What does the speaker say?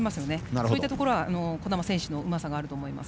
そういったところは児玉選手のうまさがあると思います。